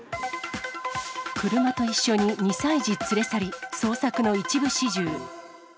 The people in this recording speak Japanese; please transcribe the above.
車と一緒に２歳児連れ去り、捜索の一部始終。